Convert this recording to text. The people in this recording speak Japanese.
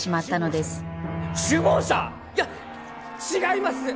いや違います！